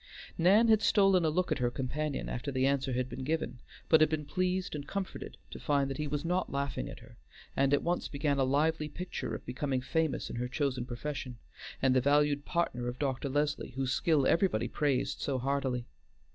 Nan had stolen a look at her companion after the answer had been given, but had been pleased and comforted to find that he was not laughing at her, and at once began a lively picture of becoming famous in her chosen profession, and the valued partner of Dr. Leslie, whose skill everybody praised so heartily.